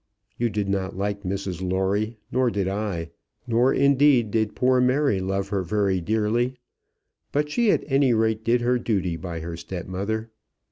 You did not like Mrs Lawrie, nor did I; nor, indeed, did poor Mary love her very dearly. But she, at any rate, did her duty by her step mother.